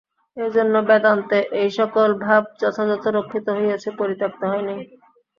এজন্য বেদান্তে এই-সকল ভাব যথাযথ রক্ষিত হইয়াছে, পরিত্যক্ত হয় নাই।